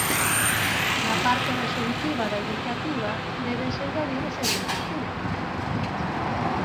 Na parte resolutiva da iniciativa débense engadir os seguintes puntos: